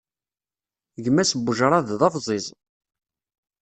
Gma-s,n ujṛad d abẓiẓ.